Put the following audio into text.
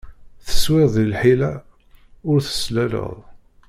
Teswiḍ di lḥila ur teslaleḍ.